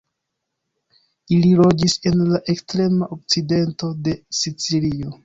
Ili loĝis en la ekstrema okcidento de Sicilio.